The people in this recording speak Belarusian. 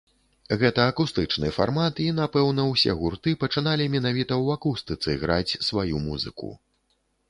Гэта акустычны фармат, і, напэўна, усе гурты пачыналі менавіта ў акустыцы граць сваю музыку.